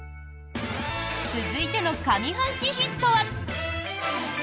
続いての上半期ヒットは。